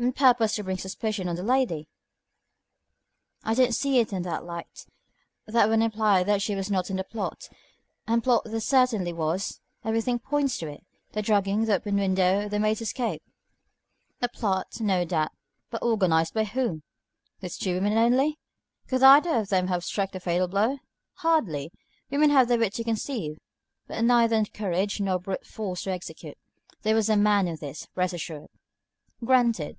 "On purpose to bring suspicion on the lady?" "I don't see it in that light. That would imply that she was not in the plot, and plot there certainly was; everything points to it. The drugging, the open window, the maid's escape." "A plot, no doubt, but organized by whom? These two women only? Could either of them have struck the fatal blow? Hardly. Women have the wit to conceive, but neither courage nor brute force to execute. There was a man in this, rest assured." "Granted.